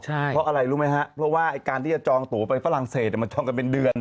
เพราะอะไรรู้ไหมฮะเพราะว่าการที่จะจองตัวไปฝรั่งเศสมันจองกันเป็นเดือน